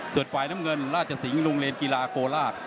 ส่วนฝ่ายน้ำเงินราชสิงห์โรงเรียนกีฬาโคราช